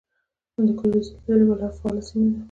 هندوکش د زلزلې له پلوه فعاله سیمه ده